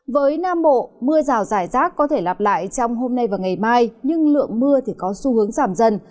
với nam bộ mưa rào rải rác có thể lặp lại trong hôm nay và ngày mai nhưng lượng mưa có xu hướng giảm dần